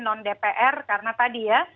non dpr karena tadi ya